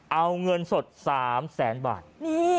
เอาเงินสดสามแสนบาทนี่